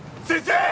先生！